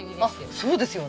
そうですよね。